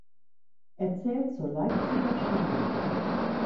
Er zählt zur Leipziger Schule.